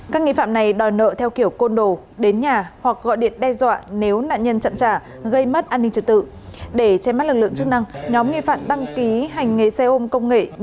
các nghi phạm này đòi nợ theo kiểu cô đơn